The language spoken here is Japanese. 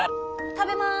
食べます。